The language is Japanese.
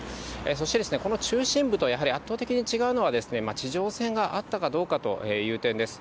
そして、この中心部と、やはり圧倒的に違うのは、地上戦があったかどうかという点です。